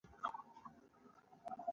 د ماشومانو ډاکټران د زړۀ نرموالی لري.